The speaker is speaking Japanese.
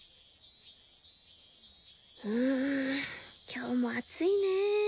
うん今日も暑いね。